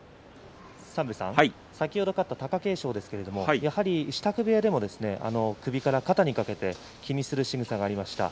先ほど勝った貴景勝ですが支度部屋でも首から肩にかけて気にするしぐさがありました。